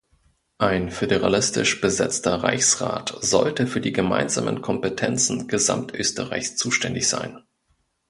Ein föderalistisch besetzter Reichsrat sollte für die gemeinsamen Kompetenzen Gesamt-Österreichs zuständig sein.